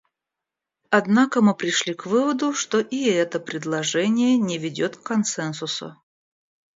Однако мы пришли к выводу, что и это предложение не ведет к консенсусу.